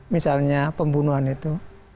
misalnya pembunuhan itu